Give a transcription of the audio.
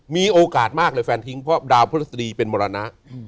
มีโอกาสมากเลยแฟนทิ้งเพราะดาวพฤศดีเป็นมรณะ